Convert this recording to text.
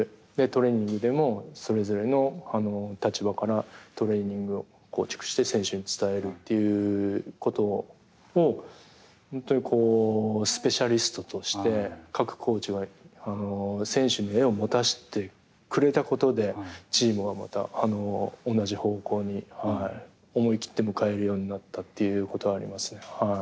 トレーニングでもそれぞれの立場からトレーニングを構築して選手に伝えるということを本当にこうスペシャリストとして各コーチが選手に絵を持たせてくれたことでチームがまた同じ方向に思い切って向かえるようになったっていうことはありますね。